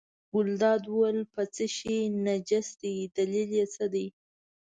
ګلداد وویل په څه شي نجس دی دلیل یې څه دی.